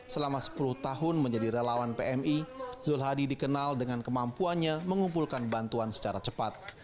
selama sepuluh tahun menjadi relawan pmi zul hadi dikenal dengan kemampuannya mengumpulkan bantuan secara cepat